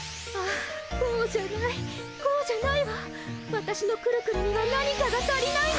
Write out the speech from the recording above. わたしのくるくるには何かが足りないの。